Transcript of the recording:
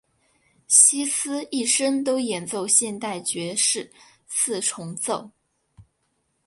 希斯一生都演奏现代爵士四重奏。